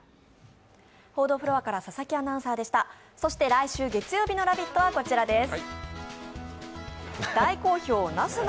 来週月曜日の「ラヴィット！」はこちらです。